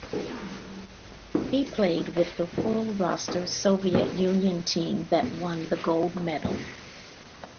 He played with the full-roster Soviet Union team that won the gold medal.